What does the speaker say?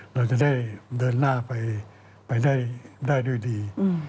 เราจะได้เดินหน้าไปได้ด้วยดี